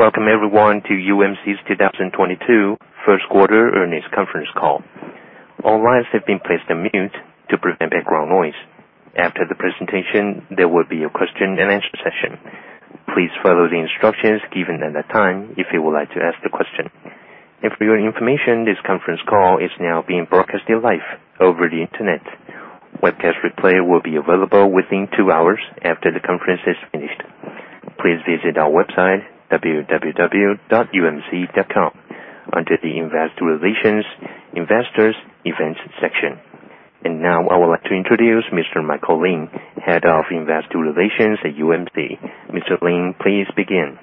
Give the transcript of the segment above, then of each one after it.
Welcome everyone to UMC's 2022 first quarter earnings conference call. All lines have been placed on mute to prevent background noise. After the presentation, there will be a question and answer session. Please follow the instructions given at that time if you would like to ask the question. For your information, this conference call is now being broadcasted live over the Internet. Webcast replay will be available within two hours after the conference is finished. Please visit our website www.umc.com under the Investor Relations Investors Events section. Now, I would like to introduce Mr. Michael Lin, Head of Investor Relations at UMC. Mr. Lin, please begin.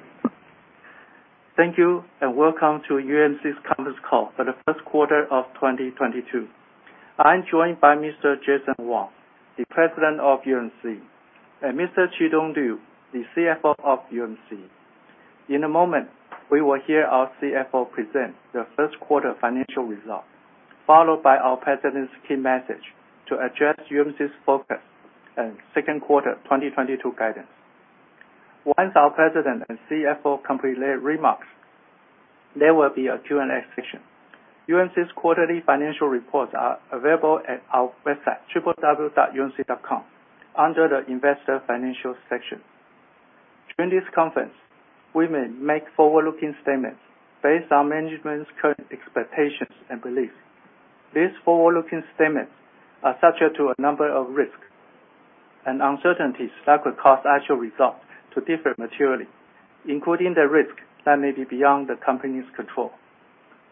Thank you, and welcome to UMC's conference call for the first quarter of 2022. I'm joined by Mr. Jason Wang, the President of UMC, and Mr. Chi-Tung Liu, the CFO of UMC. In a moment, we will hear our CFO present the first quarter financial result, followed by our president's key message to address UMC's focus and second quarter 2022 guidance. Once our president and CFO complete their remarks, there will be a Q&A session. UMC's quarterly financial reports are available at our website www.umc.com under the Investor Financial section. During this conference, we may make forward-looking statements based on management's current expectations and beliefs. These forward-looking statements are subject to a number of risks and uncertainties that could cause actual results to differ materially, including the risk that may be beyond the company's control.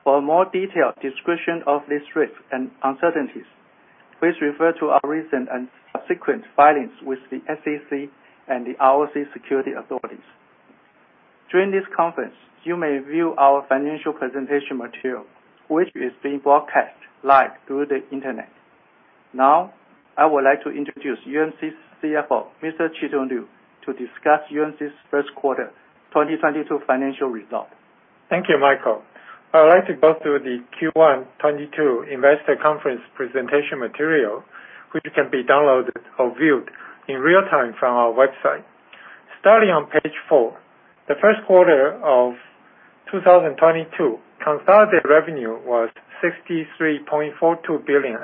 For a more detailed description of these risks and uncertainties, please refer to our recent and subsequent filings with the SEC and the ROC security authorities. During this conference, you may view our financial presentation material, which is being broadcast live through the Internet. Now, I would like to introduce UMC's CFO, Mr. Chi-Tung Liu, to discuss UMC's first quarter 2022 financial results. Thank you, Michael. I would like to go through the Q1 2022 investor conference presentation material, which can be downloaded or viewed in real time from our website. Starting on page four, the first quarter of 2022, consolidated revenue was NT 63.42 billion,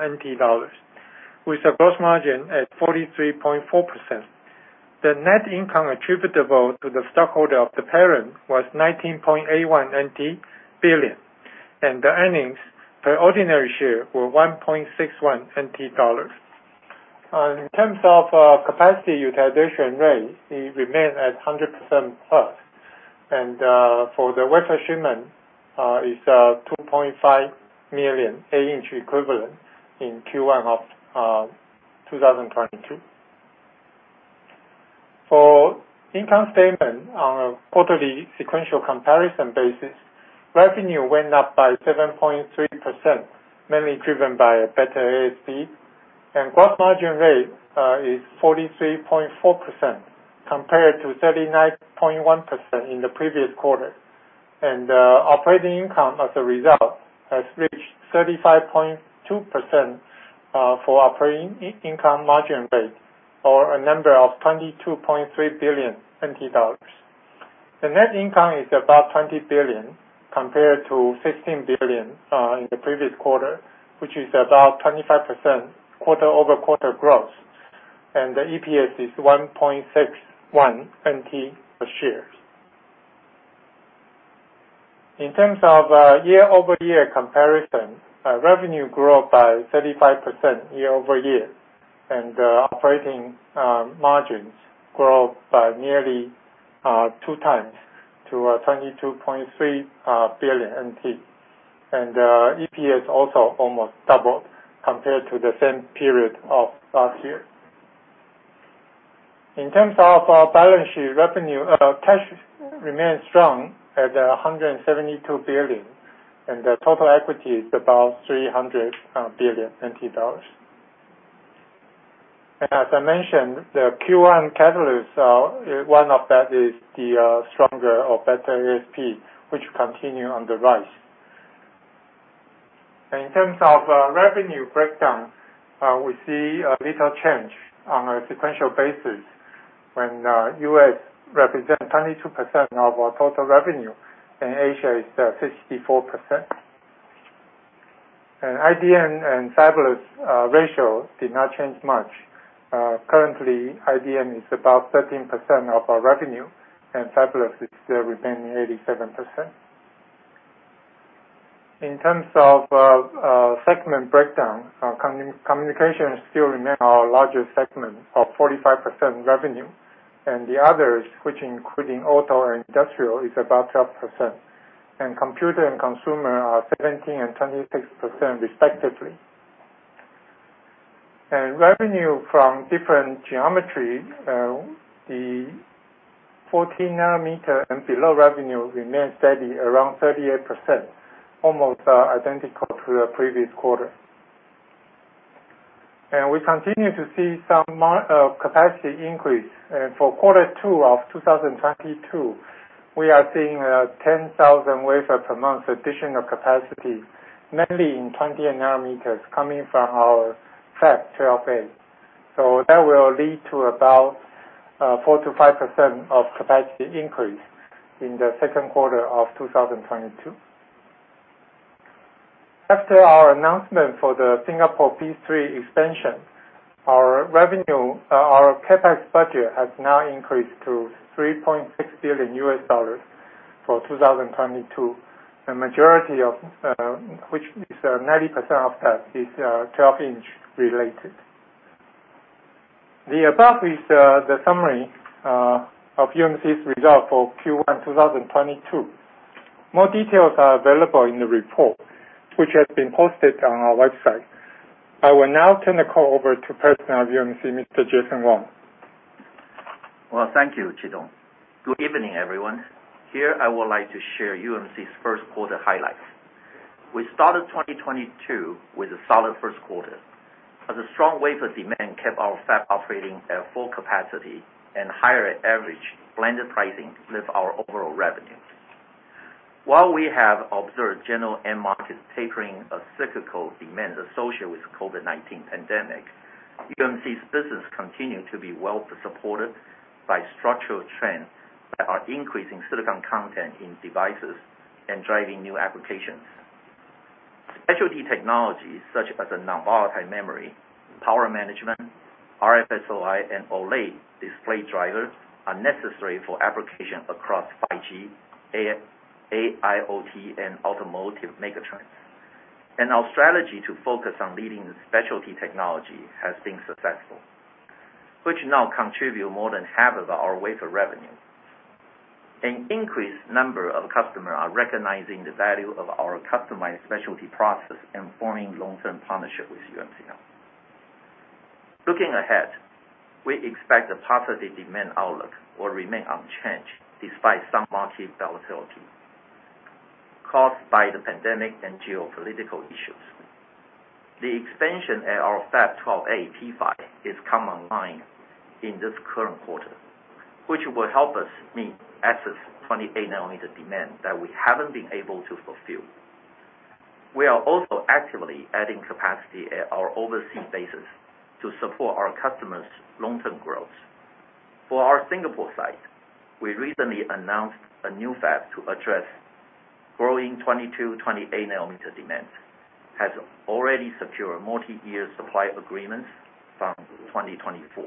with a gross margin at 43.4%. The net income attributable to the stockholder of the parent was NT 19.81 billion, and the earnings per ordinary share were NT 1.61. In terms of capacity utilization rate, it remained at 100%+. For the wafer shipment, 2.5 million 8-inch equivalent in Q1 2022. For income statement on a quarterly sequential comparison basis, revenue went up by 7.3%, mainly driven by a better ASP. Gross margin rate is 43.4% compared to 39.1% in the previous quarter. Operating income as a result has reached 35.2% for operating income margin rate or a number of NT 22.3 billion. The net income is about NT 20 billion compared to NT 15 billion in the previous quarter, which is about 25% quarter-over-quarter growth. The EPS is 1.61 NT per share. In terms of year-over-year comparison, our revenue grew up by 35% year-over-year, and operating margins grew up by nearly two times to 22.3 billion NT. EPS also almost doubled compared to the same period of last year. In terms of our balance sheet revenue, cash remains strong at NT$172 billion, and the total equity is about NT$300 billion. As I mentioned, the Q1 catalyst, one of that is the stronger or better ASP, which continue on the rise. In terms of revenue breakdown, we see a little change on a sequential basis when U.S. represent 22% of our total revenue, and Asia is 54%. IDM and fabless ratio did not change much. Currently, IDM is about 13% of our revenue, and fabless is still remaining 87%. In terms of segment breakdown, communication still remain our largest segment of 45% revenue. The others, which including auto and industrial, is about 12%. Computer and consumer are 17% and 26% respectively. Revenue from different geometry, the 14 nanometer and below revenue remain steady around 38%, almost identical to the previous quarter. We continue to see some capacity increase for quarter two of 2022. We are seeing 10,000 wafers per month additional capacity, mainly in 28 nanometers coming from our Fab 12A. So that will lead to about 4%-5% of capacity increase in the second quarter of 2022. After our announcement for the Fab 12i P3 expansion, our CapEx budget has now increased to $3.6 billion for 2022. The majority of which is 90% of that is twelve-inch related. The above is the summary of UMC's result for Q1 2022. More details are available in the report which has been posted on our website. I will now turn the call over to President of UMC, Mr. Jason Wang. Well, thank you, Chi-Tung Liu. Good evening, everyone. Here, I would like to share UMC's first quarter highlights. We started 2022 with a solid first quarter as a strong wafer demand kept our fab operating at full capacity and higher average blended pricing lift our overall revenue. While we have observed general end market tapering of cyclical demand associated with COVID-19 pandemic, UMC's business continue to be well supported by structural trends that are increasing silicon content in devices and driving new applications. Specialty technologies such as a non-volatile memory, power management, RFSOI, and OLED display drivers are necessary for applications across 5G, AIoT, and automotive megatrends. Our strategy to focus on leading the specialty technology has been successful, which now contribute more than half of our wafer revenue. An increased number of customer are recognizing the value of our customized specialty process and forming long-term partnership with UMC now. Looking ahead, we expect the positive demand outlook will remain unchanged despite some market volatility caused by the pandemic and geopolitical issues. The expansion at our Fab 12A P5 has come online in this current quarter, which will help us meet excess 28-nanometer demand that we haven't been able to fulfill. We are also actively adding capacity at our overseas bases to support our customers' long-term growth. For our Singapore site, we recently announced a new fab to address growing 22- and 28-nanometer demand that has already secured multi-year supply agreements from 2024.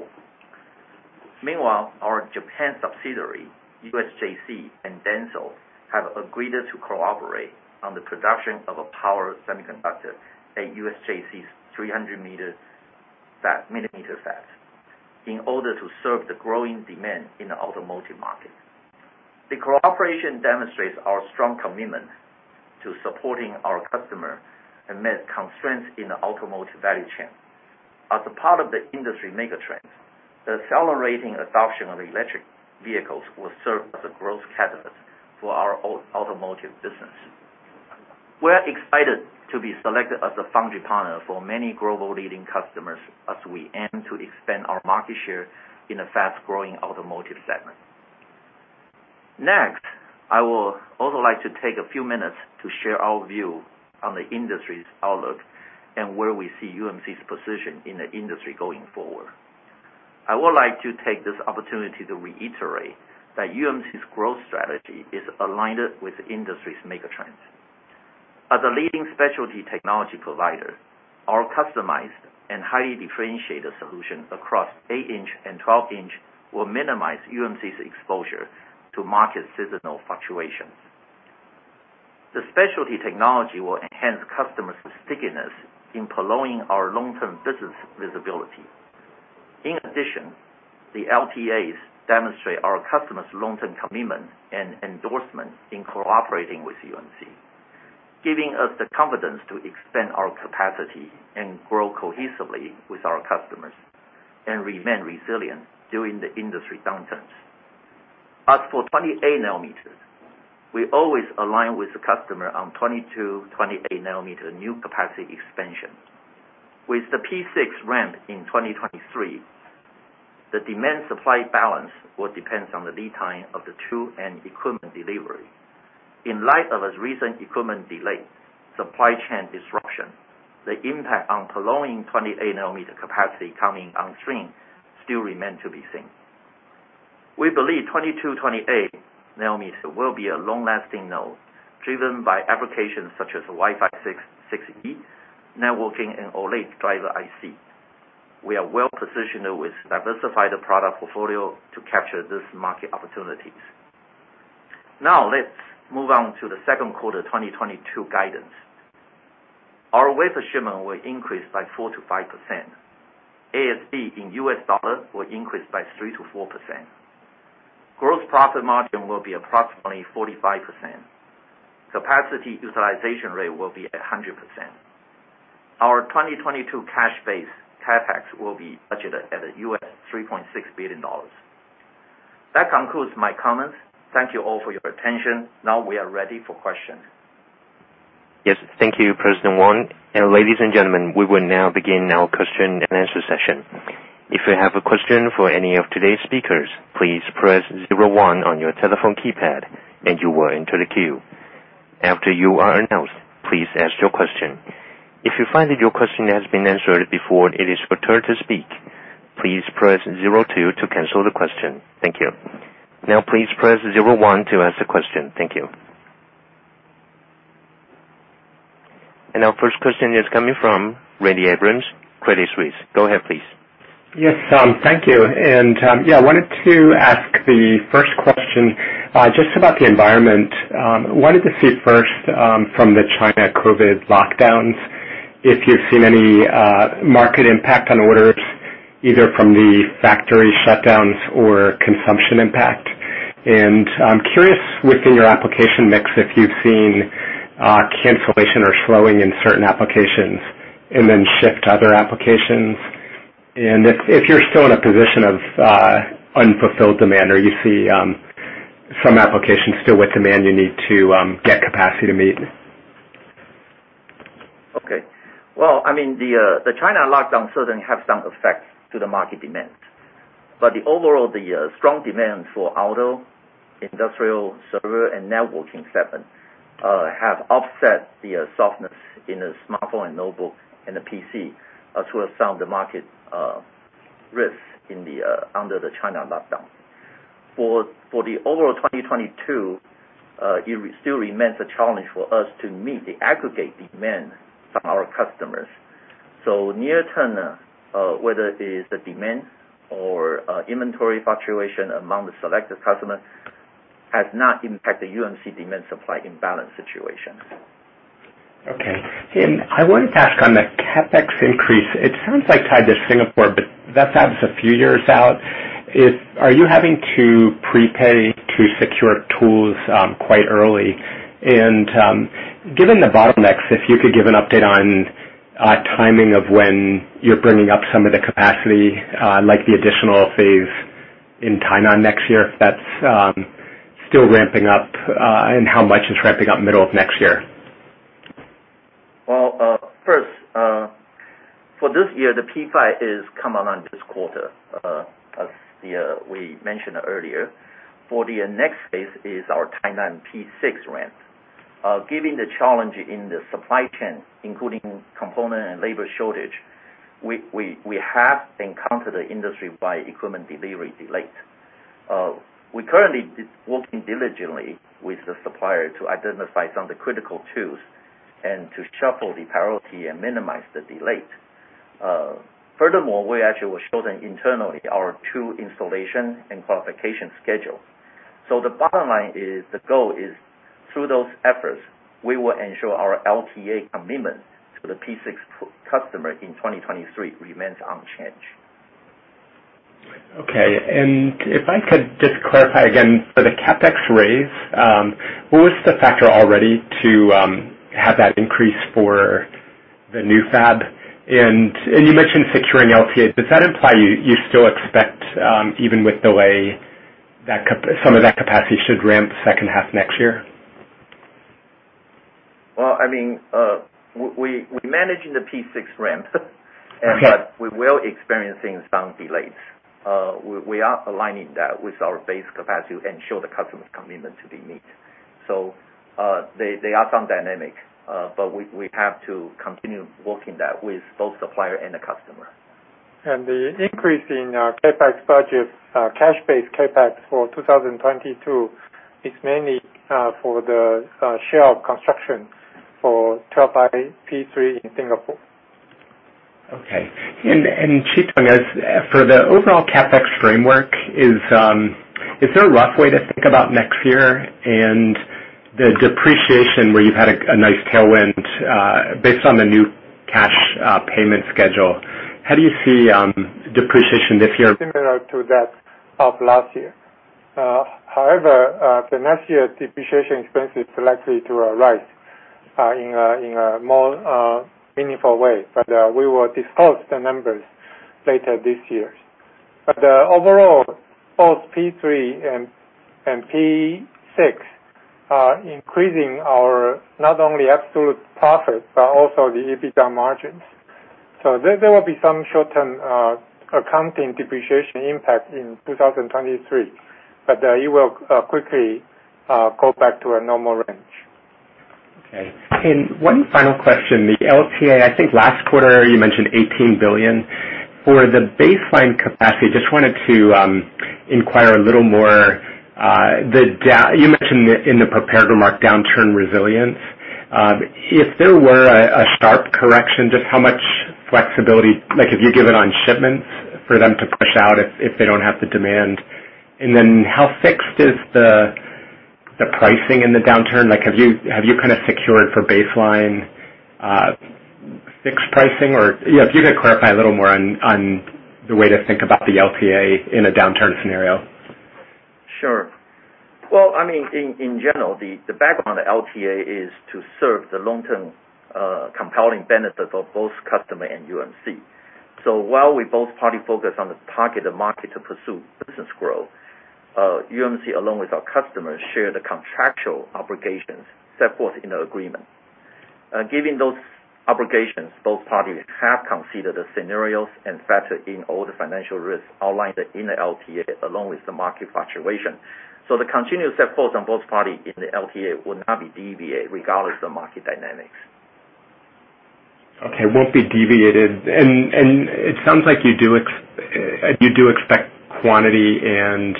Meanwhile, our Japan subsidiary, USJC and DENSO, have agreed to cooperate on the production of a power semiconductor at USJC's 300-millimeter fab in order to serve the growing demand in the automotive market. The cooperation demonstrates our strong commitment to supporting our customer amid constraints in the automotive value chain. As a part of the industry megatrend, the accelerating adoption of electric vehicles will serve as a growth catalyst for our automotive business. We're excited to be selected as a foundry partner for many global leading customers as we aim to expand our market share in the fast-growing automotive segment. Next, I will also like to take a few minutes to share our view on the industry's outlook and where we see UMC's position in the industry going forward. I would like to take this opportunity to reiterate that UMC's growth strategy is aligned with industry's megatrend. As a leading specialty technology provider, our customized and highly differentiated solutions across 8-inch and 12-inch will minimize UMC's exposure to market seasonal fluctuations. The specialty technology will enhance customers' stickiness in prolonging our long-term business visibility. In addition, the LTAs demonstrate our customers' long-term commitment and endorsement in cooperating with UMC, giving us the confidence to expand our capacity and grow cohesively with our customers and remain resilient during the industry downturns. As for 28 nanometers, we always align with the customer on 22, 28 nanometer new capacity expansion. With the P6 ramp in 2023, the demand supply balance will depend on the lead time of the tool and equipment delivery. In light of its recent equipment delay, supply chain disruption, the impact on prolonging 28 nanometer capacity coming on stream still remains to be seen. We believe 22, 28 nanometer will be a long-lasting node driven by applications such as Wi-Fi 6/6E, networking, and OLED driver IC. We are well positioned with diversified product portfolio to capture these market opportunities. Now let's move on to the second quarter 2022 guidance. Our wafer shipment will increase by 4%-5%. ASP in U.S. dollar will increase by 3%-4%. Gross profit margin will be approximately 45%. Capacity utilization rate will be at 100%. Our 2022 cash base CapEx will be budgeted at $3.6 billion. That concludes my comments. Thank you all for your attention. Now we are ready for question. Yes. Thank you, President Wang. Ladies and gentlemen, we will now begin our question and answer session. If you have a question for any of today's speakers, please press zero one on your telephone keypad and you will enter the queue. After you are announced, please ask your question. If you find that your question has been answered before it is your turn to speak, please press zero two to cancel the question. Thank you. Our first question is coming from Randy Abrams, Credit Suisse. Go ahead, please. Yes, thank you. Yeah, I wanted to ask the first question, just about the environment. I wanted to see first, from the China COVID lockdowns if you've seen any market impact on orders, either from the factory shutdowns or consumption impact. I'm curious within your application mix, if you've seen cancellation or slowing in certain applications and then shift to other applications. If you're still in a position of unfulfilled demand or you see some applications still with demand you need to get capacity to meet. Okay. Well, I mean, the China lockdown certainly have some effects to the market demand. The overall strong demand for auto, industrial server and networking segment have offset the softness in the smartphone and notebook and the PC to some of the market risk under the China lockdown. For the overall 2022, it still remains a challenge for us to meet the aggregate demand from our customers. Near term, whether it is the demand or inventory fluctuation among the selected customers has not impacted UMC demand supply imbalance situation. Okay. I wanted to ask on the CapEx increase. It sounds like tied to Singapore, but that fab is a few years out. Are you having to prepay to secure tools quite early? Given the bottlenecks, if you could give an update on timing of when you're bringing up some of the capacity, like the additional phase in Tainan next year, if that's still ramping up, and how much is ramping up middle of next year. First, for this year, the P5 is coming on this quarter, as we mentioned earlier. For the next phase is our Tainan P6 ramp. Given the challenges in the supply chain, including component and labor shortages, we have encountered industry-wide equipment delivery delays. We are currently working diligently with the suppliers to identify some of the critical tools and to shuffle the priorities and minimize the delay. Furthermore, we actually will shorten internally our tool installation and qualification schedule. The bottom line is, the goal is through those efforts, we will ensure our LTA commitment to the P6 customer in 2023 remains unchanged. Okay. If I could just clarify again, for the CapEx raise, what was the factor that led to have that increase for the new fab? You mentioned securing LTA. Does that imply you still expect, even with delay, some of that capacity should ramp second half next year? Well, I mean, we're managing the P6 ramp. Okay. We are experiencing some delays. We are aligning that with our base capacity to ensure the customer's commitment to be met. There are some dynamics, but we have to continue working that with both supplier and the customer. The increase in CapEx budget, cash-based CapEx for 2022 is mainly for the share of construction for Fab 12i P3 in Singapore. Okay. Chi-Tung Liu, as for the overall CapEx framework, is there a rough way to think about next year and the depreciation where you've had a nice tailwind based on the new cash payment schedule? How do you see depreciation this year? Similar to that of last year. However, the next year depreciation expense is likely to rise in a more meaningful way. We will discuss the numbers later this year. Overall, both P3 and P6 are increasing our not only absolute profits but also the EBITDA margins. There will be some short-term accounting depreciation impact in 2023, but it will quickly go back to a normal range. Okay. One final question. The LTA, I think last quarter you mentioned NT 18 billion. For the baseline capacity, just wanted to inquire a little more. You mentioned in the prepared remark downturn resilience. If there were a sharp correction, just how much flexibility, like have you given on shipments for them to push out if they don't have the demand? How fixed is the pricing in the downturn? Like, have you kind of secured for baseline fixed pricing? Yeah, if you could clarify a little more on the way to think about the LTA in a downturn scenario. Sure. Well, I mean, in general, the backbone of LTA is to serve the long-term compelling benefit of both customers and UMC. While we both parties focus on the target market to pursue business growth, UMC, along with our customers, share the contractual obligations set forth in the agreement. Given those obligations, both parties have considered the scenarios and factored in all the financial risks outlined in the LTA along with the market fluctuation. The commitments set forth on both parties in the LTA would not be deviated regardless of market dynamics. Okay. Won't be deviated. It sounds like you do expect quantity and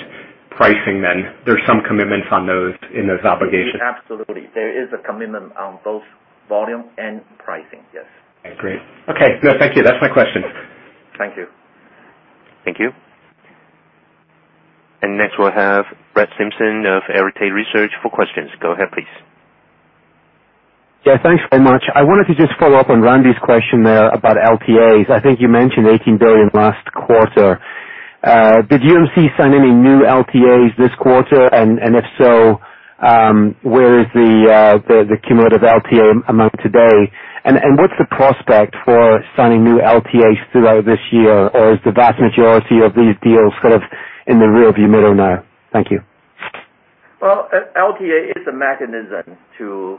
pricing then. There's some commitments on those in those obligations. Absolutely. There is a commitment on both volume and pricing. Yes. Great. Okay. Good. Thank you. That's my question. Thank you. Thank you. Next we'll have Brett Simpson of Arete Research for questions. Go ahead, please. Yeah. Thanks so much. I wanted to just follow up on Randy's question there about LTAs. I think you mentioned NT$18 billion last quarter. Did UMC sign any new LTAs this quarter? If so, where is the cumulative LTA amount today? What's the prospect for signing new LTAs throughout this year? Or is the vast majority of these deals sort of in the rearview mirror now? Thank you. LTA is a mechanism to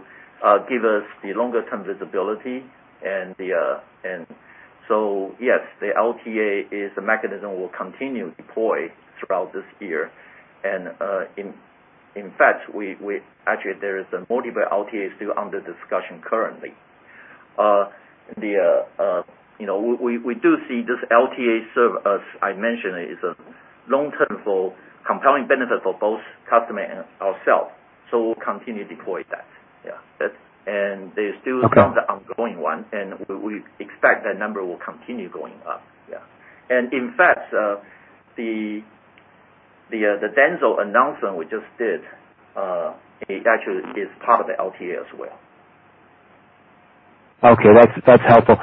give us the longer-term visibility and, yes, the LTA is a mechanism we'll continue to deploy throughout this year. In fact, we actually there are multiple LTAs still under discussion currently. You know, we do see this LTA serves, as I mentioned, a long-term compelling benefit for both customer and ourselves, so we'll continue to deploy that. There's still some- Okay. Ongoing one. We expect that number will continue going up. Yeah. In fact, the DENSO announcement we just did, it actually is part of the LTA as well. Okay. That's helpful.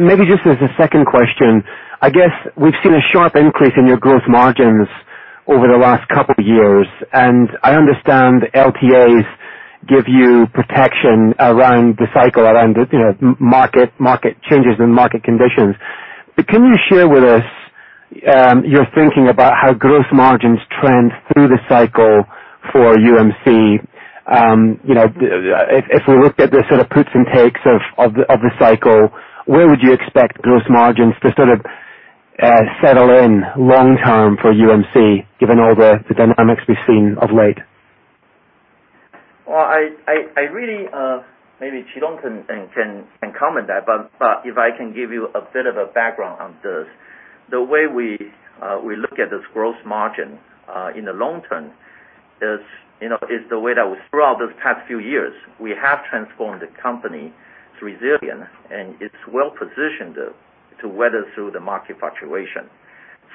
Maybe just as a second question, I guess we've seen a sharp increase in your gross margins over the last couple of years, and I understand LTAs give you protection around the cycle, you know, market changes and market conditions. Can you share with us your thinking about how gross margins trend through the cycle for UMC? You know, if we looked at the sort of puts and takes of the cycle, where would you expect gross margins to sort of settle in long-term for UMC, given all the dynamics we've seen of late? Well, I really maybe Chih-Lung can comment that, but if I can give you a bit of a background on this. The way we look at this gross margin in the long- term is, you know, the way that we throughout those past few years have transformed the company to resilient, and it's well-positioned to weather through the market fluctuation.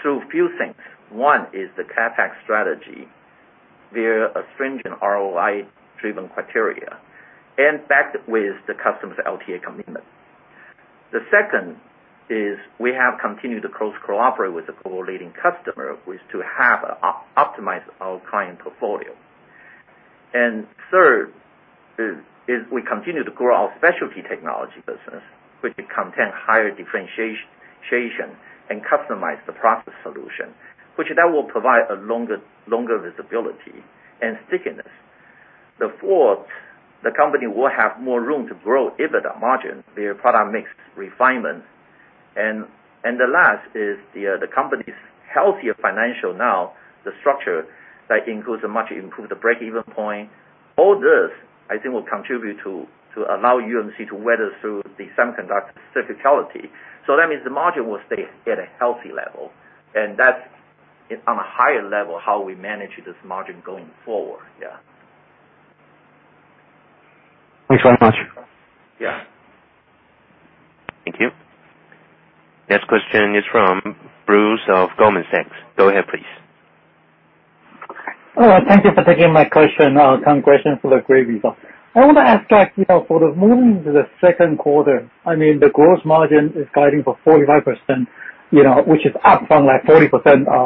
A few things. One is the CapEx strategy via a stringent ROI-driven criteria, and backed with the customer's LTA commitment. The second is we have continued to closely cooperate with the core leading customer, which to have optimized our client portfolio. Third is we continue to grow our specialty technology business, which contain higher differentiation and customized process solution, which will provide a longer visibility and stickiness. The fourth, the company will have more room to grow EBITDA margin via product mix refinements. The last is the company's healthier financial structure now that includes a much improved breakeven point. All this, I think, will contribute to allow UMC to weather through the semiconductor cyclicality. That means the margin will stay at a healthy level, and that's on a higher level, how we manage this margin going forward. Yeah. Thanks very much. Yeah. Thank you. Next question is from Bruce of Goldman Sachs. Go ahead, please. Hello. Thank you for taking my question. Congratulations for the great results. I want to ask about, you know, sort of moving into the second quarter. I mean, the gross margin is guiding for 49%, you know, which is up from like 40%,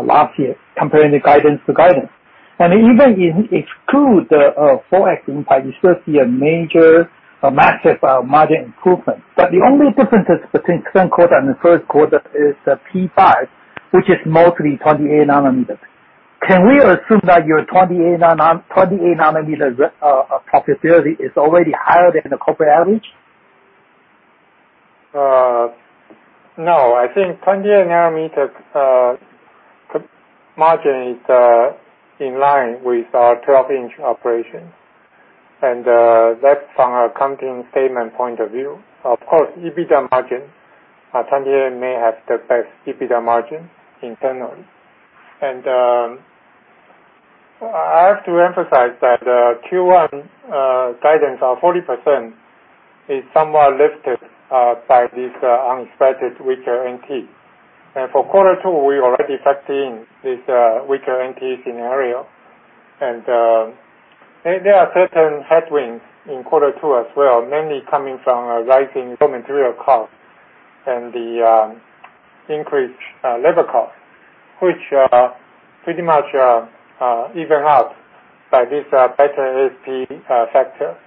last year, comparing the guidance to guidance. Even excluding the forex impact, you still see a massive margin improvement. The only difference between second quarter and the first quarter is P5, which is mostly 28 nanometers. Can we assume that your 28-nanometer profitability is already higher than the corporate average? No. I think 28 nanometer margin is in line with our 12-inch operation, and that's from a accounting statement point of view. Of course, EBITDA margin, 28 may have the best EBITDA margin internally. I have to emphasize that Q1 guidance of 40% is somewhat lifted by this unexpected weaker NT. For quarter two, we already factor in this weaker NT scenario. There are certain headwinds in quarter two as well, mainly coming from a rising raw material cost and the increased labor cost, which pretty much evened out by this better ASP factor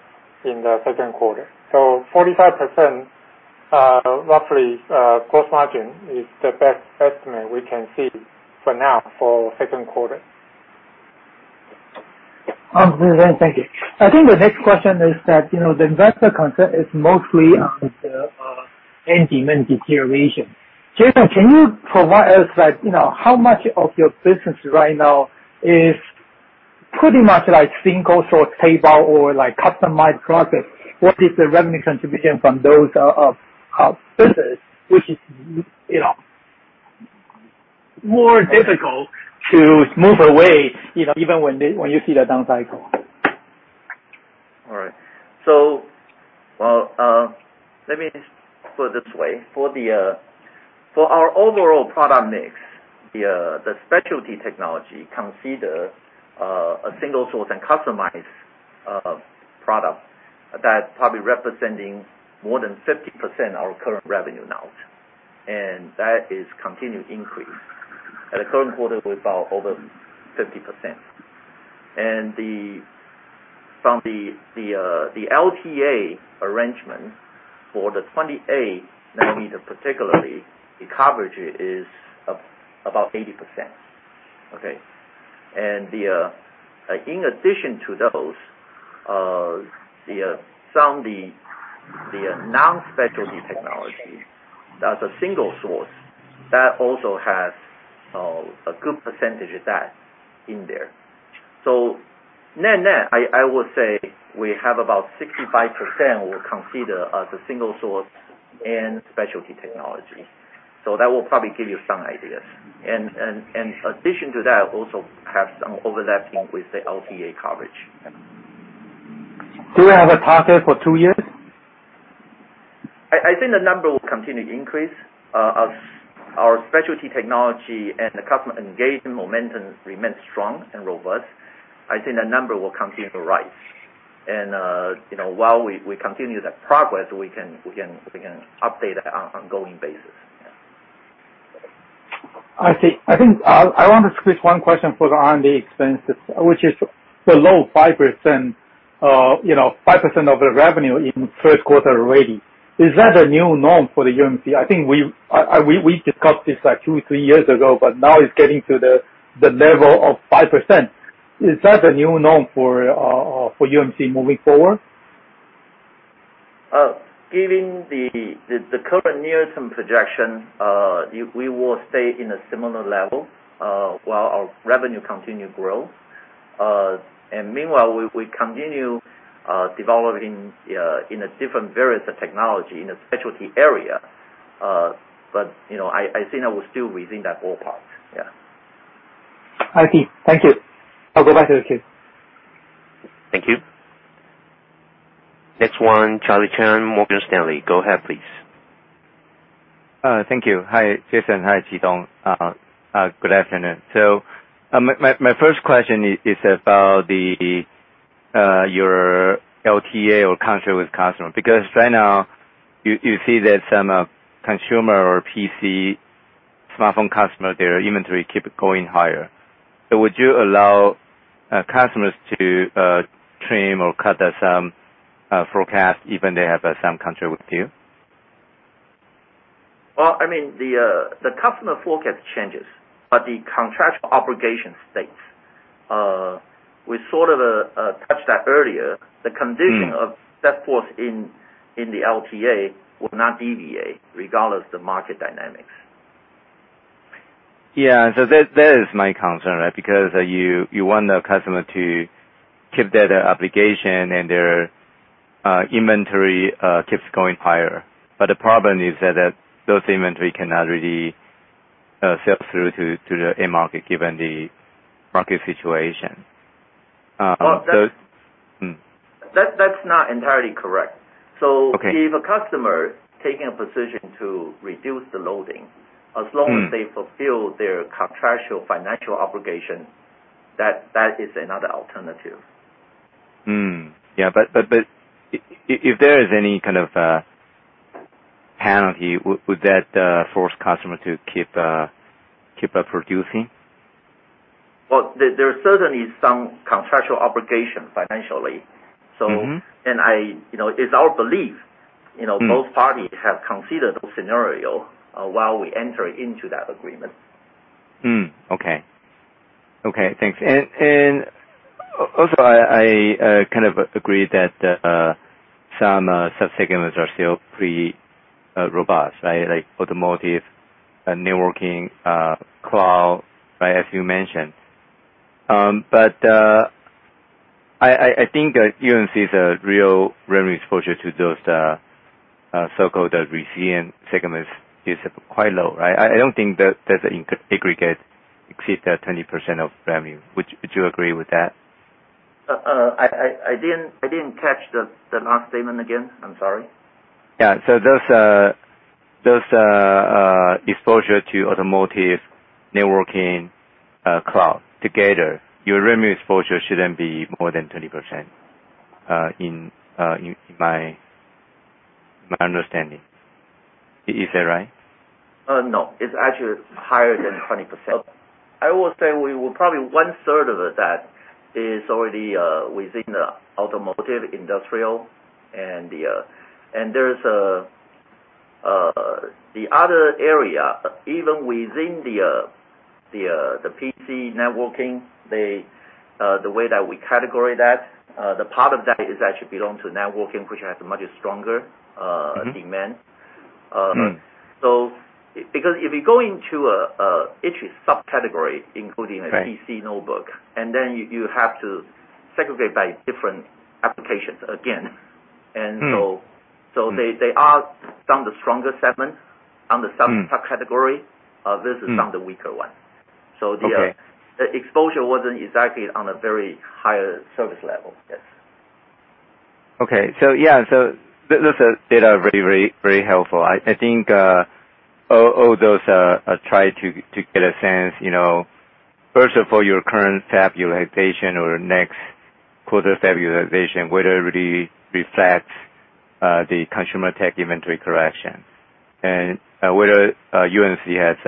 in the second quarter. So 45%, roughly, gross margin is the best estimate we can see for now for second quarter. Thank you. I think the next question is that, you know, the investor concern is mostly on the end demand deterioration. Jason, can you provide us, like, you know, how much of your business right now is pretty much like single-source stable or like customized products? What is the revenue contribution from those of business, which is, you know, more difficult to move away, you know, even when you see the down cycle? All right. Let me put it this way. For our overall product mix, the specialty technology consider a single source and customized product that probably representing more than 50% our current revenue now, and that is continued increase. At the current quarter, we're about over 50%. From the LTA arrangement for the 28 nanometer particularly, the coverage is about 80%. In addition to those, some of the non-specialty technology that's a single source that also has a good percentage of that in there. Net-net, I would say we have about 65% will consider as a single source and specialty technology. That will probably give you some ideas. in addition to that, also have some overlapping with the LTA coverage. Do you have a target for two years? I think the number will continue to increase, as our specialty technology and the customer engagement momentum remains strong and robust. I think the number will continue to rise. You know, while we continue that progress, we can update on ongoing basis. Yeah. I see. I think I want to switch one question for the R&D expenses, which is below 5%, you know, 5% of the revenue in first quarter already. Is that a new norm for the UMC? I think we discussed this like two to three years ago, but now it's getting to the level of 5%. Is that a new norm for UMC moving forward? Given the current near-term projection, we will stay in a similar level while our revenue continue grow. Meanwhile, we continue developing in a different various technology in a specialty area. You know, I think that we're still within that ballpark. Yeah. I see. Thank you. I'll go back to the queue. Thank you. Next one, Charlie Chan, Morgan Stanley. Go ahead, please. Thank you. Hi, Jason. Hi, Chi-Tung Liu. Good afternoon. My first question is about your LTA or contract with customer, because right now, you see that some consumer or PC smartphone customer, their inventory keep going higher. Would you allow customers to trim or cut out some forecast even they have some contract with you? Well, I mean, the customer forecast changes, but the contractual obligation stays. We sort of touched that earlier. Mm. The condition of that, of course, in the LTA will not deviate regardless of market dynamics. Yeah. That is my concern, right? Because you want the customer to keep their obligation and their inventory keeps going higher. The problem is that those inventory cannot really sell through to the end market given the market situation. Well, that. Mm. That's not entirely correct. Okay. If a customer is taking a position to reduce the loading- Mm. As long as they fulfill their contractual financial obligation, that is another alternative. Yeah, if there is any kind of penalty, would that force customer to keep up producing? Well, there are certainly some contractual obligations financially. Mm-hmm. You know, it's our belief, you know. Mm. Both parties have considered the scenario while we enter into that agreement. Okay, thanks. Also, I kind of agree that some sub-segments are still pretty robust, right? Like automotive and networking, cloud, right? As you mentioned. But I think UMC's real revenue exposure to those so-called resilient segments is quite low, right? I don't think that in aggregate it exceeds 20% of revenue. Would you agree with that? I didn't catch the last statement again. I'm sorry. Yeah. Those exposure to automotive networking, cloud together, your revenue exposure shouldn't be more than 20%, in my understanding. Is that right? No, it's actually higher than 20%. I will say we were probably one-third of that is already within the automotive, industrial and the other area, even within the PC networking, the way that we categorize that, the part of that is actually belong to networking, which has much stronger. Mm-hmm. demand. Mm-hmm. because if you go into each subcategory, including Right. PC notebook, and then you have to segregate by different applications again. Mm-hmm. And so- Mm-hmm. They are some of the stronger segments under Mm-hmm. some subcategory versus Mm-hmm. -some of the weaker one. So the- Okay. The exposure wasn't exactly on a very high service level. Yes. Okay. That's the data very helpful. I think all those try to get a sense, you know, first of all, your current fab utilization or next quarter fab utilization, whether it really reflects the consumer tech inventory correction. Whether UMC has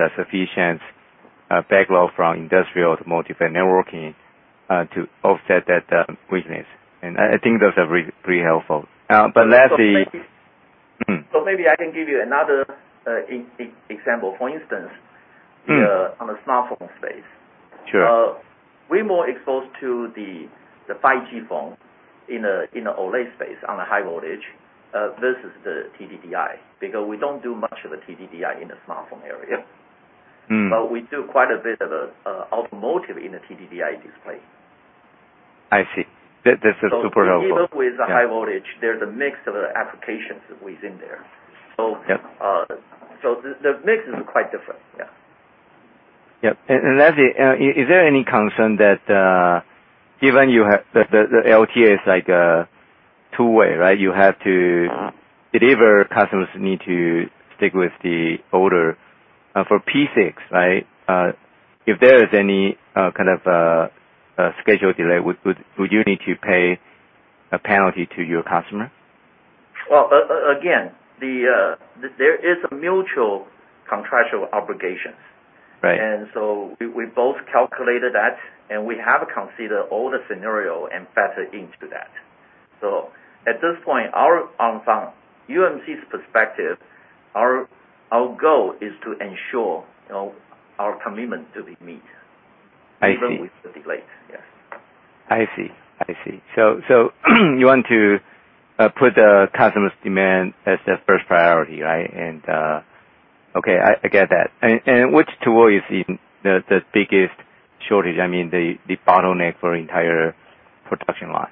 a sufficient backlog from industrial to mobile networking to offset that weakness. I think that's a very helpful. But lastly- So maybe- Mm-hmm. Maybe I can give you another example, for instance. Mm-hmm. on the smartphone space. Sure. We're more exposed to the 5G phone in a OLED space on a high voltage versus the TDDI, because we don't do much of the TDDI in the smartphone area. Mm-hmm. We do quite a bit of automotive in the TDDI display. I see. That's super helpful. Even with the high voltage, there's a mix of applications within there. Yep. The mix is quite different. Yeah. Yep. Lastly, is there any concern that, given you have the LTA is like two-way, right? You have to deliver, customers need to stick with the order for P6, right? If there is any kind of schedule delay, would you need to pay a penalty to your customer? Well, again, there is a mutual contractual obligations. Right. We both calculated that, and we have considered all the scenarios and factors into that. At this point, from UMC's perspective, our goal is to ensure, you know, our commitment to meet. I see. Even with the delay. Yes. I see. You want to put the customer's demand as the first priority, right? Okay, I get that. Which tool is in the biggest shortage? I mean, the bottleneck for entire production line.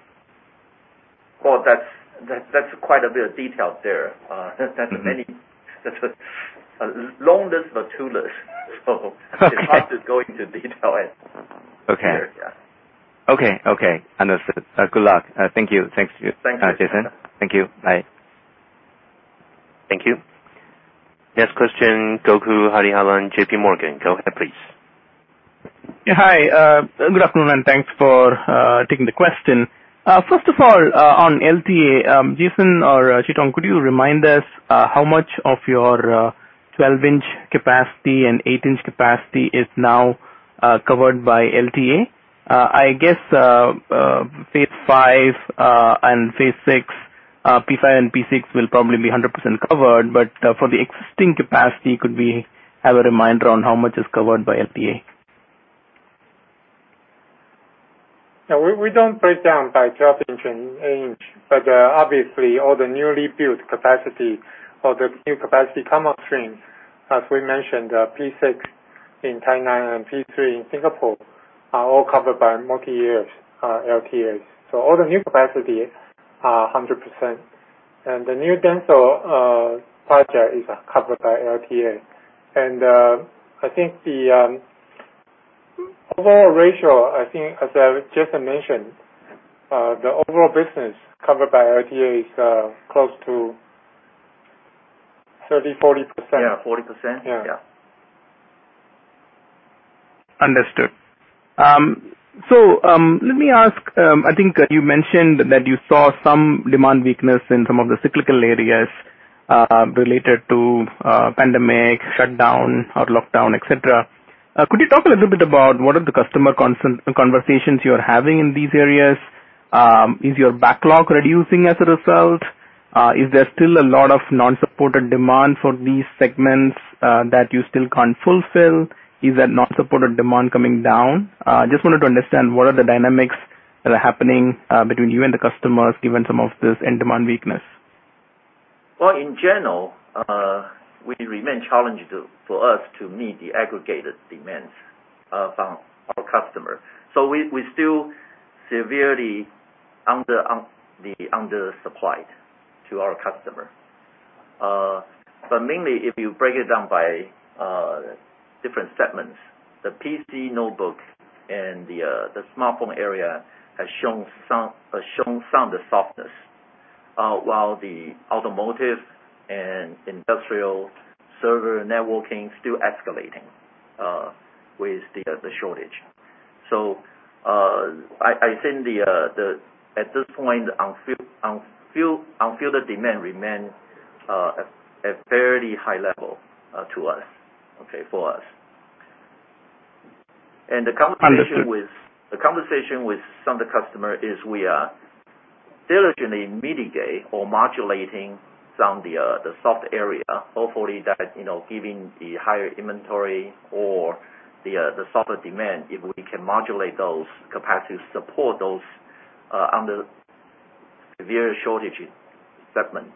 Well, that's quite a bit of detail there. That's a long list, but to list. It's hard to go into detail. Okay. There, yeah. Okay. Understood. Good luck. Thank you. Thanks, Jason. Thank you. Thank you. Bye. Thank you. Next question, Gokul Hariharan, JPMorgan. Go ahead, please. Yeah. Hi. Good afternoon, and thanks for taking the question. First of all, on LTA, Jason or Chi-Tung, could you remind us how much of your 12-inch capacity and 8-inch capacity is now covered by LTA? I guess phase V and phase VI, P5 and P6, will probably be 100% covered. For the existing capacity, could we have a reminder on how much is covered by LTA? Yeah. We don't break down by 12-inch and 8-inch, but obviously all the newly built capacity or the new capacity come off stream, as we mentioned, P6 in Tainan and P3 in Singapore are all covered by multi-year LTAs. All the new capacity are 100%. The new DENSO project is covered by LTA. I think the overall ratio, as Jason mentioned, the overall business covered by LTA is close to 30%-40%. Yeah, 40%. Yeah. Yeah. Understood. Let me ask, I think you mentioned that you saw some demand weakness in some of the cyclical areas, related to pandemic shutdown or lockdown, et cetera. Could you talk a little bit about what are the customer conversations you're having in these areas? Is your backlog reducing as a result? Is there still a lot of unsupported demand for these segments, that you still can't fulfill? Is that unsupported demand coming down? Just wanted to understand what are the dynamics that are happening, between you and the customers, given some of this end demand weakness. Well, in general, we remain challenged to meet the aggregated demands from our customers. We still severely undersupplied to our customers. Mainly if you break it down by different segments. The PC notebook and the smartphone area has shown some of the softness, while the automotive and industrial server networking still escalating with the shortage. I think that at this point the unfilled demand remain at fairly high level to us, okay, for us. The conversation with- Understood. The conversation with some of the customer is we are diligently mitigate or modulating some of the soft area. Hopefully that, you know, giving the higher inventory or the softer demand, if we can modulate those capacity, support those on the severe shortage segment.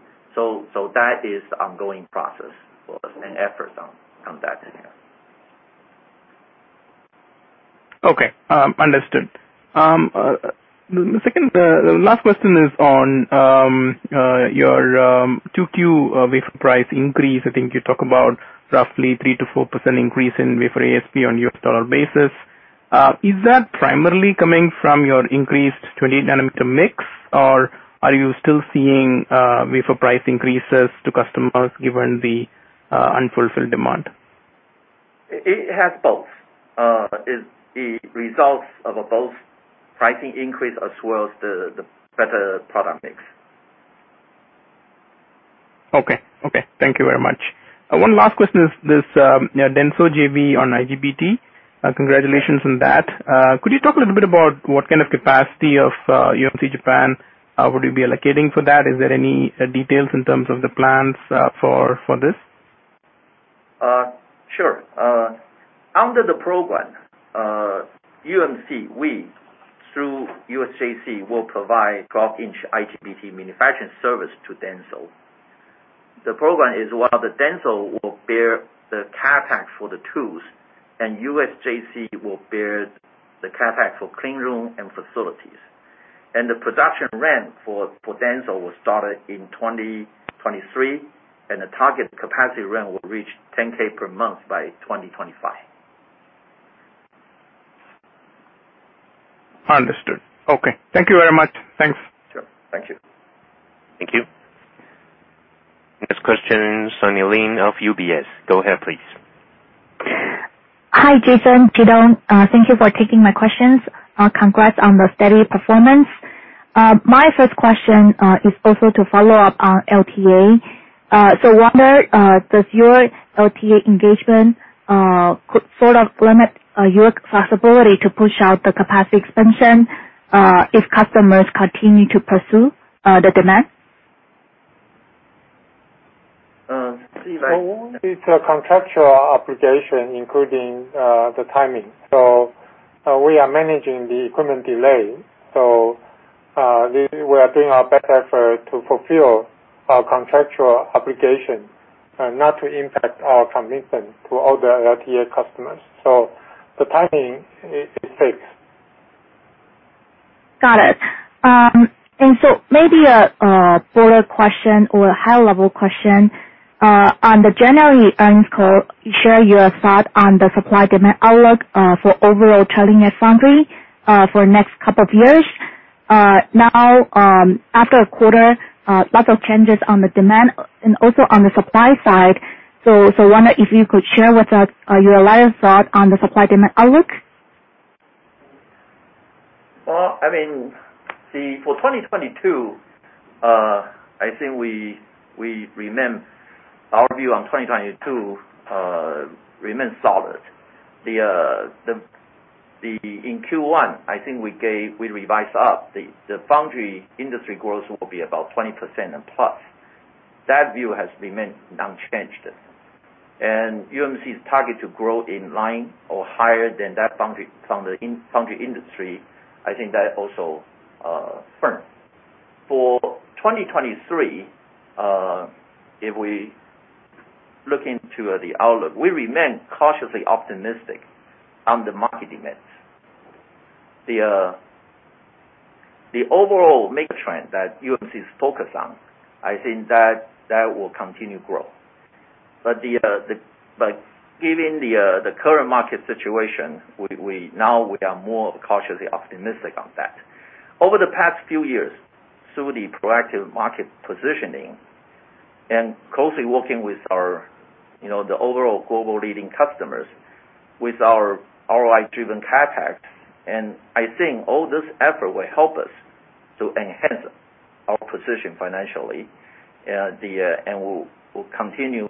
That is ongoing process for us and effort on that area. Okay. Understood. The last question is on your 2Q wafer price increase. I think you talk about roughly 3%-4% increase in wafer ASP on U.S. dollar basis. Is that primarily coming from your increased 20-nanometer mix, or are you still seeing wafer price increases to customers given the unfulfilled demand? It has both. It's the results of both pricing increase as well as the better product mix. Okay. Thank you very much. One last question is this, DENSO JV on IGBT. Congratulations on that. Could you talk a little bit about what kind of capacity of UMC Japan would you be allocating for that? Is there any details in terms of the plans for this? Sure. Under the program, UMC, we, through USJC, will provide 12-inch IGBT manufacturing service to DENSO. The program is while DENSO will bear the CapEx for the tools, and USJC will bear the CapEx for cleanroom and facilities. The production run for DENSO will start in 2023, and the target capacity run will reach 10K per month by 2025. Understood. Okay. Thank you very much. Thanks. Sure. Thank you. Thank you. Next question Sunny Lin of UBS. Go ahead, please. Hi, Jason, Chih-hung. Thank you for taking my questions. Congrats on the steady performance. My first question is also to follow up on LTA. I wonder does your LTA engagement could sort of limit your flexibility to push out the capacity expansion if customers continue to pursue the demand? Um, see like- It's a contractual obligation, including the timing. We are managing the equipment delay. We are doing our best effort to fulfill our contractual obligation and not to impact our commitment to all the LTA customers. The timing is fixed. Got it. Maybe a broader question or a high level question on the January earnings call, share your thought on the supply and demand outlook for the overall foundry for next couple of years. Now, after a quarter, lots of changes on the demand and also on the supply side. Wonder if you could share with us your latest thought on the supply and demand outlook. Well, I mean, see, for 2022, our view on 2022 remains solid. In Q1, I think we revised up the foundry industry growth will be about 20% and plus. That view has remained unchanged. UMC's target to grow in line or higher than that foundry industry, I think that also firm. For 2023, if we look into the outlook, we remain cautiously optimistic on the market demands. The overall mega trend that UMC is focused on, I think that will continue grow. Given the current market situation, we now we are more cautiously optimistic on that. Over the past few years, through the proactive market positioning and closely working with our, you know, the overall global leading customers with our ROI-driven CapEx, and I think all this effort will help us to enhance our position financially, and will continue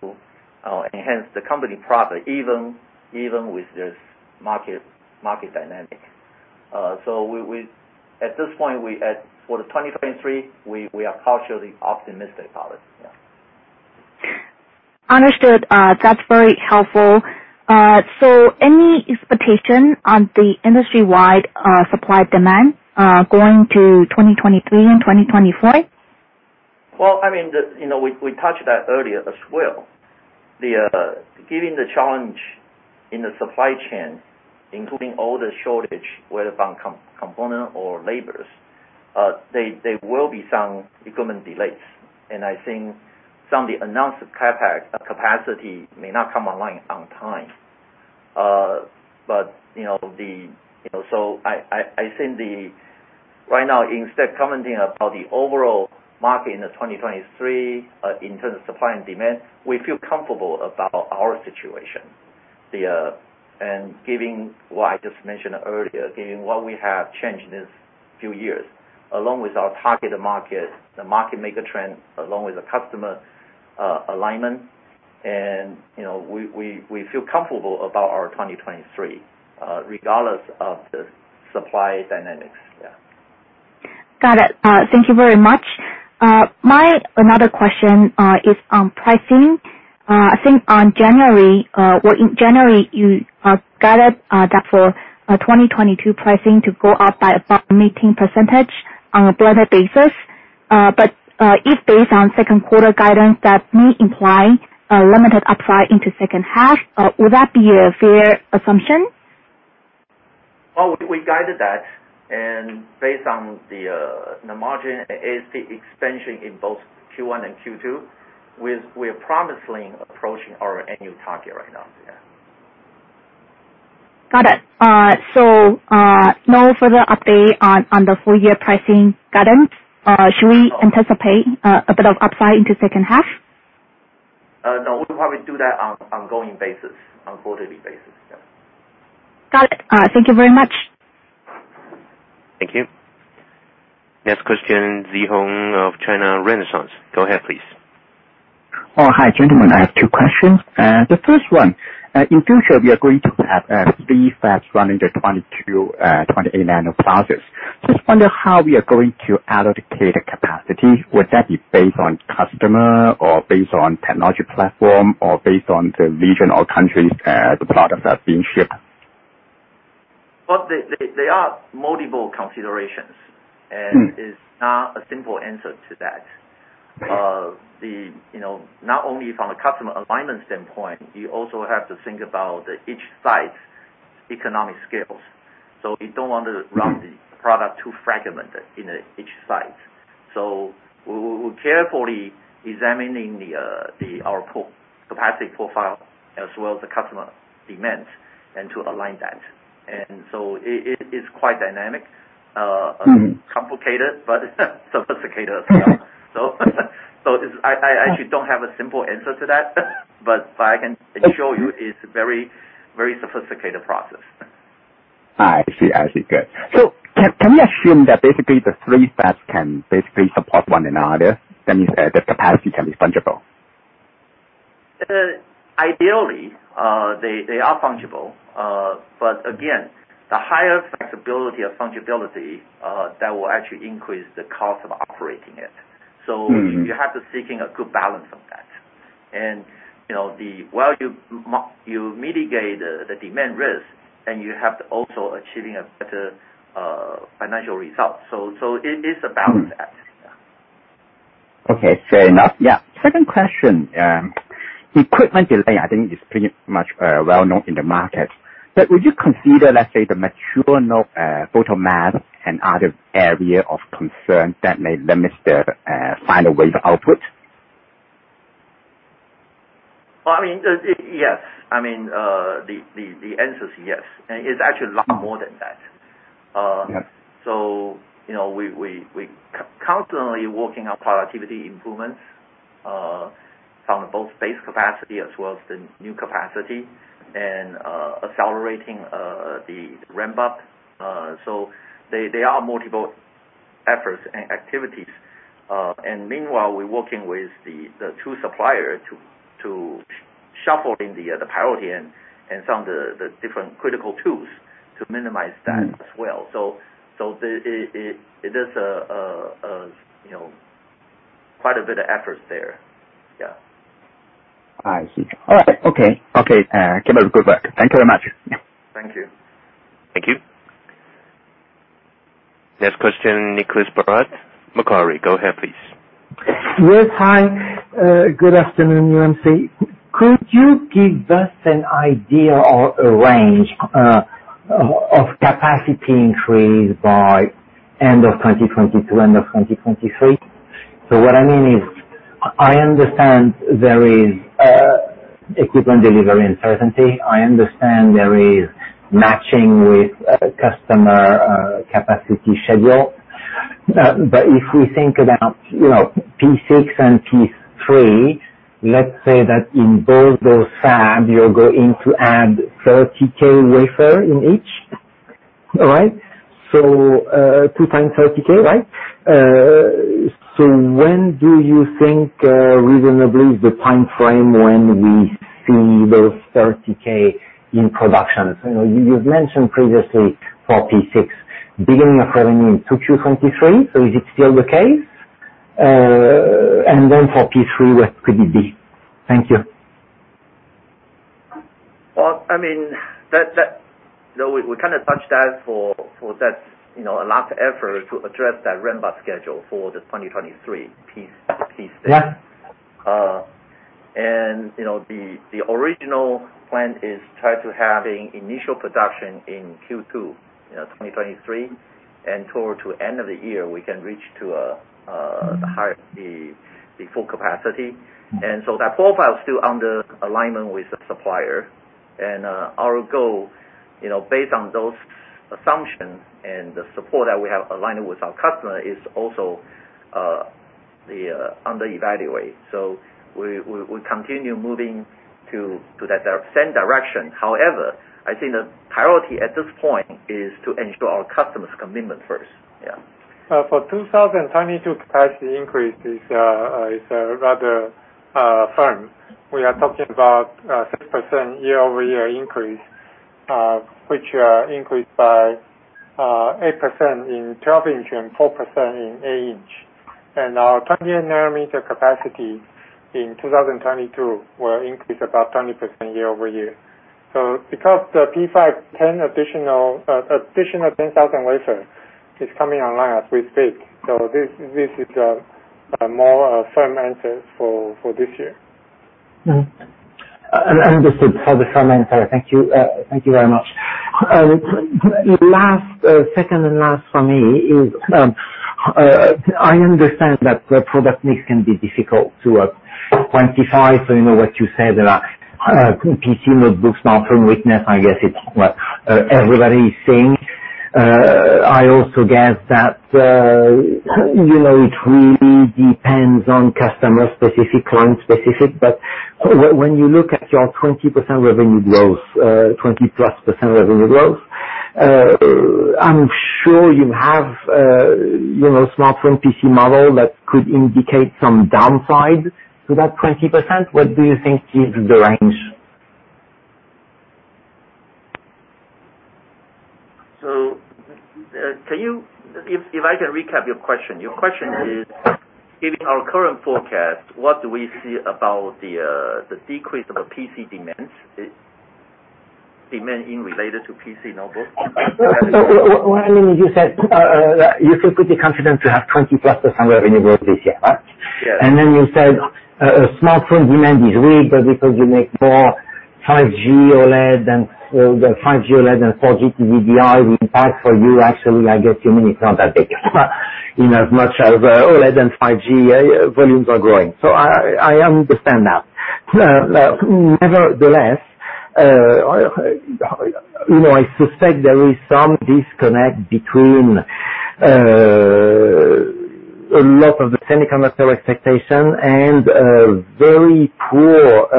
enhance the company profit even with this market dynamic. At this point, for 2023, we are cautiously optimistic about it. Yeah. Understood. That's very helpful. Any expectation on the industry-wide, supply demand, going to 2023 and 2024? Well, I mean, you know, we touched that earlier as well. Given the challenge in the supply chain, including all the shortage, whether from component or labor, there will be some equipment delays, and I think some of the announced CapEx capacity may not come online on time. You know, right now, instead of commenting about the overall market in 2023, in terms of supply and demand, we feel comfortable about our situation. Given what I just mentioned earlier, given what we have changed in these few years, along with our targeted market, the market mega trend, along with the customer alignment, and, you know, we feel comfortable about our 2023, regardless of the supply dynamics. Yeah. Got it. Thank you very much. My other question is on pricing. I think in January, you guided that for 2022 pricing to go up by about 18% on a quarter basis. If based on second quarter guidance, that may imply a limited upside into second half. Would that be a fair assumption? Well, we guided that, and based on the margin and ASP expansion in both Q1 and Q2, we're promising approaching our annual target right now. Yeah. Got it. No further update on the full- year pricing guidance? Should we anticipate a bit of upside into second half? No, we'll probably do that on ongoing basis, on quarterly basis. Yeah. Got it. Thank you very much. Thank you. Next question, Szeho Ng of China Renaissance. Go ahead, please. Oh, hi, gentlemen. I have two questions. The first one, in future, we are going to have three fabs running the 22, 28 nano process. Just wonder how we are going to allocate the capacity. Would that be based on customer or based on technology platform or based on the region or countries, the products are being shipped? Well, they are multiple considerations. Hmm. It's not a simple answer to that. Right. You know, not only from a customer alignment standpoint, you also have to think about each side's economic scales. You don't want to run the product too fragmented in each side. We're carefully examining our capacity profile as well as the customer demand and to align that. It's quite dynamic. Hmm Complicated, but sophisticated as well. Yeah. I actually don't have a simple answer to that, but I can assure you it's a very, very sophisticated process. I see. Good. Can we assume that basically the three fabs can basically support one another, that means, the capacity can be fungible? Ideally, they are fungible. Again, the higher flexibility or fungibility that will actually increase the cost of operating it. Mm-hmm. You have to seek a good balance of that. You know, while you mitigate the demand risk, and you have to also achieve a better financial result. It is a balancing act. Yeah. Okay. Fair enough. Yeah. Second question, equipment delay, I think, is pretty much, well-known in the market, but would you consider, let's say, the mature node, photomask and other area of concern that may limit the, final wafer output? Well, I mean, yes. I mean, the answer is yes. It's actually a lot more than that. Yes. You know, we constantly working on productivity improvements from both base capacity as well as the new capacity and accelerating the ramp-up. There are multiple efforts and activities. Meanwhile, we're working with the two supplier to shuffle in the priority and some of the different critical tools to minimize that as well. It is, you know, quite a bit of effort there. Yeah. I see. All right. Okay. Keep up the good work. Thank you very much. Thank you. Thank you. Next question, Nicolas Baratte, Macquarie. Go ahead, please. Yes. Hi. Good afternoon, UMC. Could you give us an idea or a range of capacity increase by end of 2022, end of 2023? What I mean is, I understand there is equipment delivery uncertainty. I understand there is matching with customer capacity schedule. But if we think about, you know, P6 and P3, let's say that in both those fabs, you're going to add 30K wafer in each. All right? Two times 30K, right? When do you think reasonably is the timeframe when we see those 30K in productions? You know, you've mentioned previously for P6, beginning of revenue in 2Q 2023. Is it still the case? And then for P3, what could it be? Thank you. Well, I mean, that. You know, we kinda touched that for that, you know, a lot of effort to address that ramp-up schedule for the 2023 PP6. Yeah. You know, the original plan is try to have the initial production in Q2 2023, and toward the end of the year, we can reach the full capacity. That profile is still under alignment with the supplier. Our goal, you know, based on those assumptions and the support that we have aligned with our customer is also under evaluate. We continue moving to that same direction. However, I think the priority at this point is to ensure our customers' commitment first. For 2022 capacity increase is rather firm. We are talking about 6% year-over-year increase, which increased by 8% in 12-inch and 4% in 8-inch. Our 20-nanometer capacity in 2022 will increase about 20% year-over-year. Because the P5 ten additional 10,000 wafer is coming online as we speak, this is a more firm answer for this year. Understood. Hope that answers. Thank you. Thank you very much. Second to last for me is, I understand that the product mix can be difficult to quantify. You know what you said, there are PC notebooks, smartphone weakness, I guess it's what everybody is seeing. I also guess that you know, it really depends on customer specific, client specific. When you look at your 20% revenue growth, 20%+ revenue growth, I'm sure you have you know, smartphone PC model that could indicate some downside to that 20%. What do you think is the range? If I can recap your question. Your question is, given our current forecast, what do we see about the decrease of PC demand in relation to PC notebooks? What I mean is you said you feel pretty confident to have 20%+ revenue growth this year, right? Yes. Then you said smartphone demand is weak, but because you make more 5G OLED and the 5G OLED and 4G TDDI, the impact for you actually, I guess, to me, it's not that big inasmuch as OLED and 5G volumes are growing. I understand that. Nevertheless, you know, I suspect there is some disconnect between a lot of the semiconductor expectation and very poor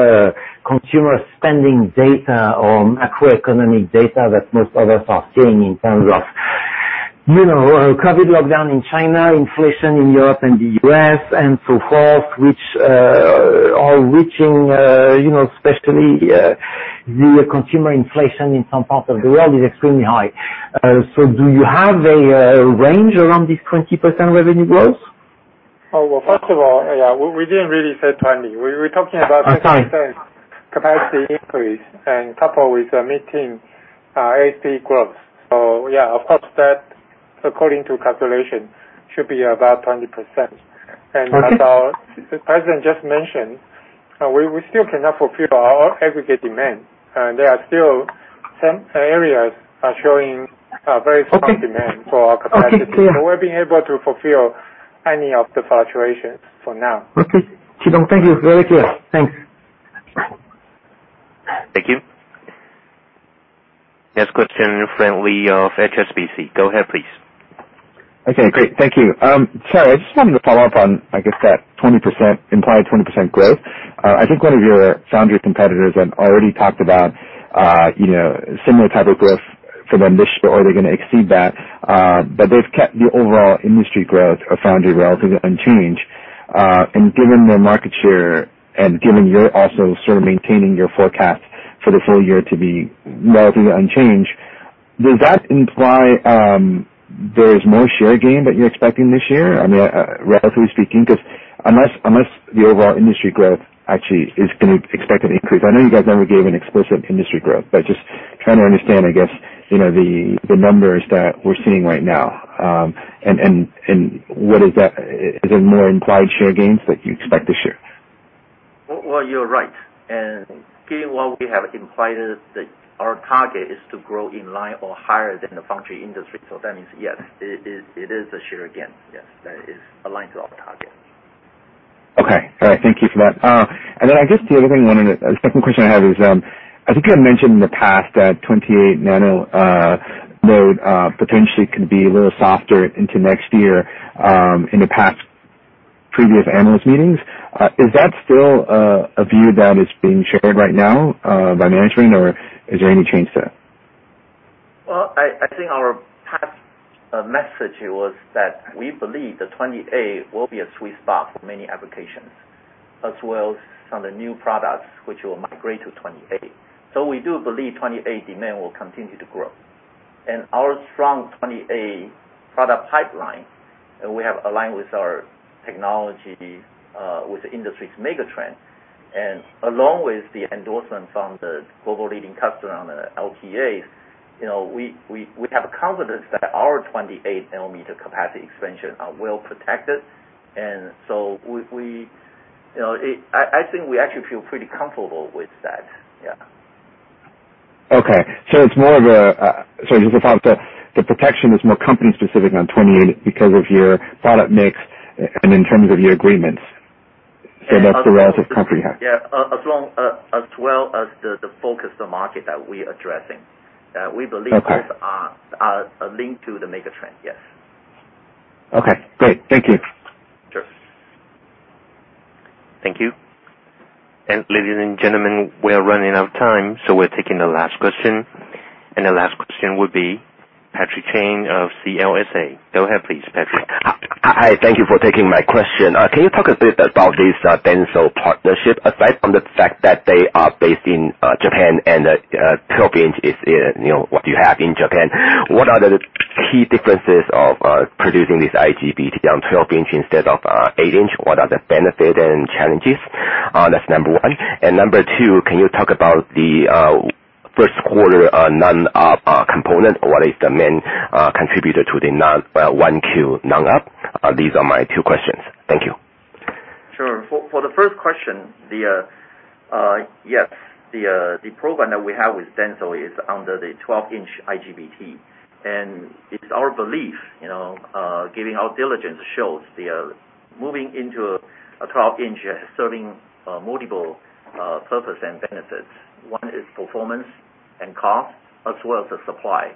consumer spending data or macroeconomic data that most of us are seeing in terms of, you know, COVID lockdown in China, inflation in Europe and the U.S., and so forth, which are reaching, you know, especially the consumer inflation in some parts of the world is extremely high. Do you have a range around this 20% revenue growth? Oh, well, first of all, yeah, we didn't really say 20. We were talking about. I'm sorry. Capacity increase, coupled with meeting ASP growth. Yeah, of course, that, according to calculation, should be about 20%. Okay. As our president just mentioned, we still cannot fulfill our aggregate demand, and there are still some areas are showing very strong demand for our capacity. Okay. Clear. We've been able to fulfill any of the fluctuations for now. Okay. Chi-Tung Liu, thank you. Very clear. Thanks. Thank you. Next question, Frank Lee of HSBC. Go ahead, please. Okay, great. Thank you. Sorry, I just wanted to follow up on, I guess that 20%, implied 20% growth. I think one of your foundry competitors have already talked about, you know, similar type of growth for their niche, but or they're gonna exceed that. But they've kept the overall industry growth of foundry relatively unchanged. Given their market share and given you're also sort of maintaining your forecast for the full- year to be relatively unchanged, does that imply there's more share gain that you're expecting this year? I mean, relatively speaking, 'cause unless the overall industry growth actually is gonna expect an increase. I know you guys never gave an explicit industry growth, but just trying to understand, I guess, you know, the numbers that we're seeing right now. What is that, is it more implied share gains that you expect this year? Well, you're right. Given what we have implied is that our target is to grow in line or higher than the foundry industry. That means, yes, it is a share gain. Yes. That is aligned to our target. Okay. All right. Thank you for that. The second question I have is, I think you had mentioned in the past that 28 nano node potentially can be a little softer into next year, in the past previous analyst meetings. Is that still a view that is being shared right now by management or is there any change to that? Well, I think our past message was that we believe the 28 will be a sweet spot for many applications, as well as some of the new products which will migrate to 28. We do believe 28 demand will continue to grow. Our strong 28 product pipeline, we have aligned with our technology with the industry's mega trend. Along with the endorsement from the global leading customer on the LTAs, you know, we have confidence that our 28 nanometer capacity expansion are well protected. You know, I think we actually feel pretty comfortable with that. Yeah. The protection is more company specific on 28 because of your product mix and in terms of your agreements. That's the relative company have. As well as the focus on the market that we're addressing. We believe- Okay. Those are linked to the mega trend. Yes. Okay, great. Thank you. Sure. Thank you. Ladies and gentlemen, we are running out of time, so we're taking the last question. The last question would be , Patrick Chen of CLSA. Go ahead, please, Patrick. Hi. Thank you for taking my question. Can you talk a bit about this DENSO partnership, aside from the fact that they are based in Japan and 12-inch is in, you know, what you have in Japan? What are the key differences of producing this IGBT on 12-inch instead of 8-inch? What are the benefits and challenges? That's number one. And number two, can you talk about the first quarter non-GAAP component? What is the main contributor to the non one Q non-GAAP? These are my two questions. Thank you. Sure. For the first question, yes. The program that we have with DENSO is under the 12-inch IGBT. It's our belief, you know, given our diligence shows the moving into a 12-inch is serving multiple purpose and benefits. One is performance and cost, as well as the supply.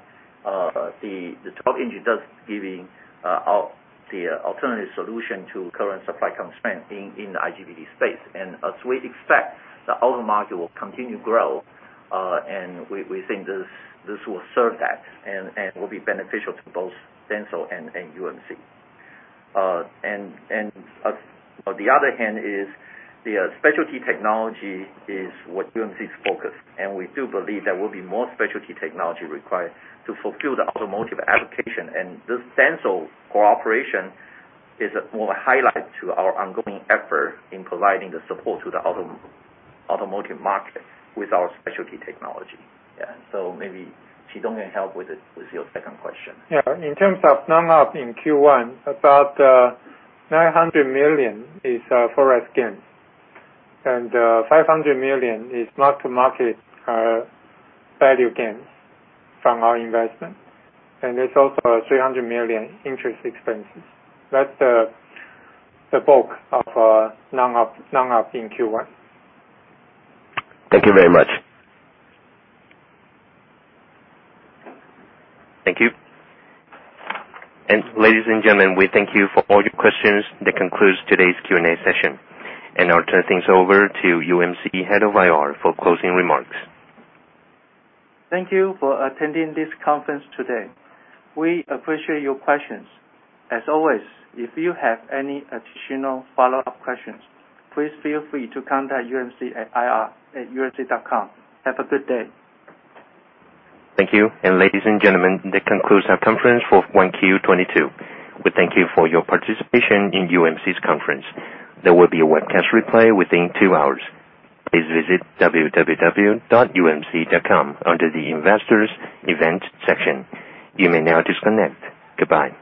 The 12-inch is just giving out the alternative solution to current supply constraint in the IGBT space. As we expect, the auto market will continue to grow, and we think this will serve that and will be beneficial to both DENSO and UMC. On the other hand, the specialty technology is what UMC's focus. We do believe there will be more specialty technology required to fulfill the automotive application. This DENSO cooperation is more a highlight to our ongoing effort in providing the support to the automotive market with our specialty technology. Yeah. Maybe Shih-Dong can help with your second question. Yeah. In terms of non-GAAP in Q1, about NT 900 million is forex gains, and NT 500 million is mark-to-market value gains from our investment. There's also NT 300 million interest expenses. That's the bulk of non-GAAP in Q1. Thank you very much. Thank you. Ladies and gentlemen, we thank you for all your questions. That concludes today's Q&A session. I'll turn things over to UMC Head of IR for closing remarks. Thank you for attending this conference today. We appreciate your questions. As always, if you have any additional follow-up questions, please feel free to contact UMC at ir@umc.com. Have a good day. Thank you. Ladies and gentlemen, that concludes our conference for Q1 2022. We thank you for your participation in UMC's conference. There will be a webcast replay within two hours. Please visit www.umc.com under the Investors Event section. You may now disconnect. Goodbye.